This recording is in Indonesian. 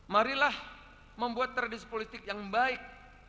marilah membuat tradisi politik yang baik